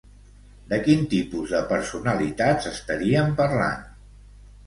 De quin tipus de personalitats estaríem parlant?